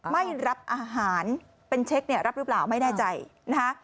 ไม่รับอาหารเป็นเช็คเนี่ยรับหรือเปล่าไม่แน่ใจนะคะ